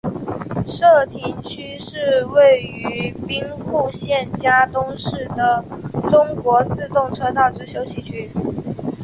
社停车区是位于兵库县加东市的中国自动车道之休息区。